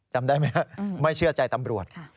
จำได้ไหมครับไม่เชื่อใจตำรวจ